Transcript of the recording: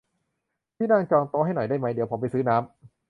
พี่นั่งจองโต๊ะให้หน่อยได้ไหม เดี๋ยวผมไปซื้อน้ำ